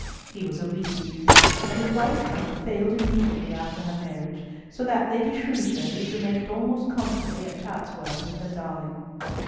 He was a weakly youth, and his wife's health failed immediately after her marriage, so that Lady Shrewsbury remained almost constantly at Chatsworth with her darling.